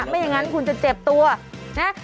ไม่อย่างนั้นคุณจะเจ็บตัวนะ